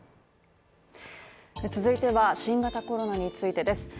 続いては新型コロナについてです